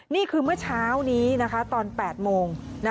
นี่คือเมื่อเช้านี้ตอน๘โมง